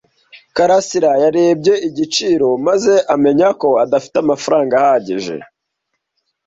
karasira yarebye igiciro maze amenya ko adafite amafaranga ahagije.